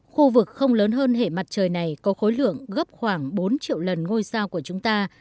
khu vực không lớn hơn hệ mặt trời này có khối lượng gấp khoảng bốn triệu lần ngôi sao của chúng ta